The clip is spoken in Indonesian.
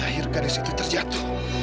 akhir gadis itu terjatuh